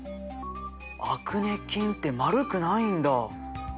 アクネ菌って丸くないんだ。